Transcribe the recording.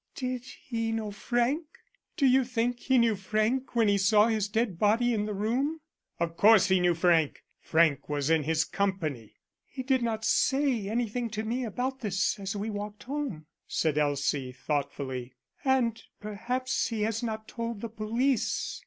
"Did he know Frank? Do you think he knew Frank when he saw his dead body in the room?" "Of course he knew Frank. Frank was in his Company." "He did not say anything to me about this as we walked home," said Elsie thoughtfully. "And perhaps he has not told the police.